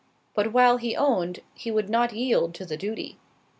But while he owned, he would not yield to the duty.